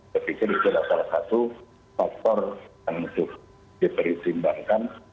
saya pikir itu adalah salah satu faktor yang cukup dipertimbangkan